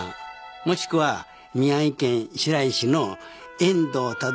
もしくは宮城県白石の遠藤忠雄さん。